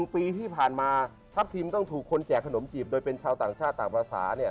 ปีที่ผ่านมาทัพทิมต้องถูกคนแจกขนมจีบโดยเป็นชาวต่างชาติต่างภาษาเนี่ย